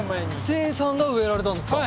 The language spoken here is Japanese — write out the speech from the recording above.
誓さんが植えられたんですか？